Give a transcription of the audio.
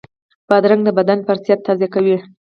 بادرنګ د بدن فُرصت تازه کوي.